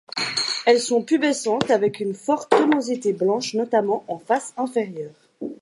Elles sont pubescentes avec une forte tomentosité blanche notamment en face inférieure.